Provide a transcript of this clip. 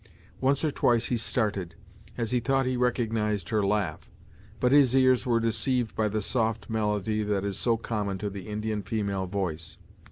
Once or twice he started, as he thought he recognized her laugh; but his ears were deceived by the soft melody that is so common to the Indian female voice.